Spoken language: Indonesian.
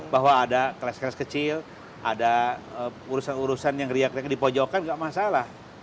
bahwa ada kelas kelas kecil ada urusan urusan yang di pojokan tidak masalah